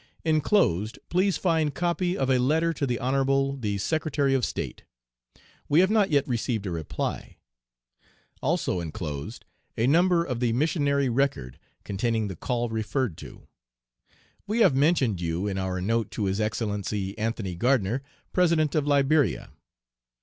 Inclosed please find copy of a letter to the Honorable the Secretary of State. We have not yet received a reply. Also, inclosed, a number of the Missionary Record containing the call referred to. We have mentioned you in our note to His Excellency Anthony Gardner, President of Liberia.